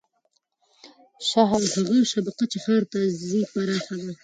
هغه شبکه چې ښار ته ځي پراخه ده.